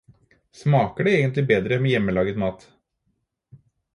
Smaker det egentlig bedre med hjemmelaget mat?